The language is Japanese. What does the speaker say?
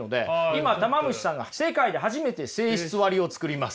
今たま虫さんが世界で初めて性質割を作ります。